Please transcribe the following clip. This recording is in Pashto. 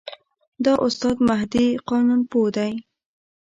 دا استاد مهدي قانونپوه دی.